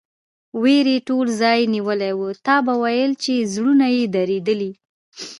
وېرې ټول ځای نیولی و، تا به ویل چې زړونه یې درېدلي.